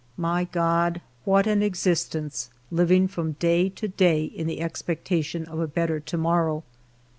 My God! what an existence, living from day to day in the expectation of a better to morrow